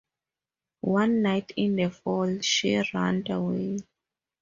One night, in the Fall, she runned away.